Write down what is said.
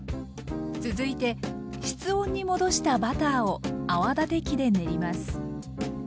続いて室温に戻したバターを泡立て器で練ります。